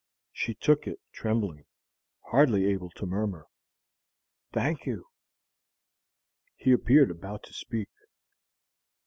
She took it trembling, hardly able to murmur, "Thank you." He appeared about to speak.